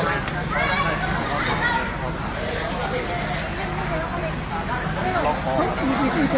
เมื่อเมื่อ